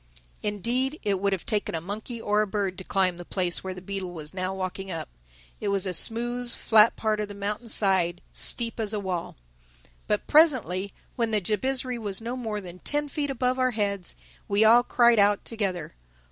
Indeed it would have taken a monkey or a bird to climb the place which the beetle was now walking up. It was a smooth, flat part of the mountain's side, steep as a wall. But presently, when the Jabizri was no more than ten feet above our heads, we all cried out together.